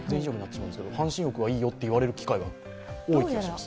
半身浴がいいよと言われる機会が多い気がします。